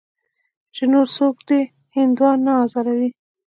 چې نور دې څوک هندوان نه ازاروي.